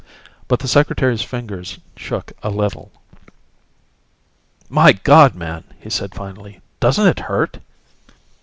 But the Secretary's fingers shook a little. "My God, man!" he said finally. "Doesn't it hurt?"